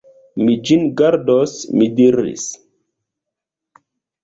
Mi ĝin gardos, mi diris.